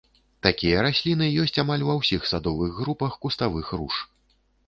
Такія расліны ёсць амаль ва ўсіх садовых групах куставых руж.